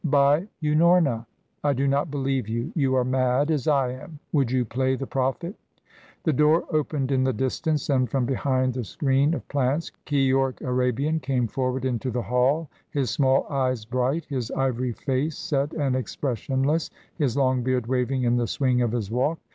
"By Unorna." "I do not believe you. You are mad, as I am. Would you play the prophet?" The door opened in the distance, and from behind the screen of plants Keyork Arabian came forward into the hall, his small eyes bright, his ivory face set and expressionless, his long beard waving in the swing of his walk.